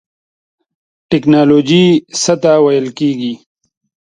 ټیکنالوژی څه ته ویل کیږی؟